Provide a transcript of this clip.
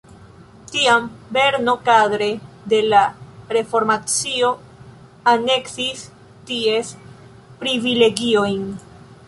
Tiam Berno kadre de la reformacio aneksis ties privilegiojn.